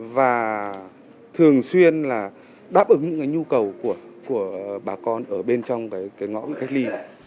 và thường xuyên là đáp ứng những cái nhu cầu của bà con ở bên trong cái ngõ cách ly